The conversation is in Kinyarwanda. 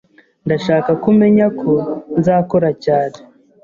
Ndashaka ko umenya ko nzakora cyane